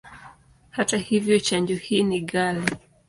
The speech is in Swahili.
Hata hivyo, chanjo hii ni ghali.